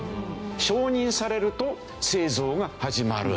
承認されると製造が始まる。